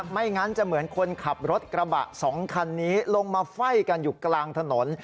ไม่งั้นจะเหมือนคนขับรถกระบะ๒คันนี้ลงมาไฟ่กันอยู่กลางถนน